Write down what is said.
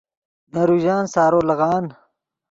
نے روژن سارو لیغان